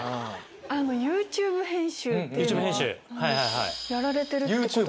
あの「ＹｏｕＴｕｂｅ編集」っていうのはやられてるってことですか？